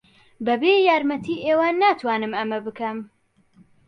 بەبێ یارمەتیی ئێوە ناتوانم ئەمە بکەم.